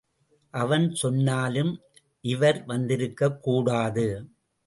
அவன் சொன்னாலும் இவர் வந்திருக்கக்கூடாது.